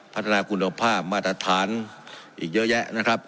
พัฒนากุลโภคภาพมาตรฐานอีกเยอะแยะ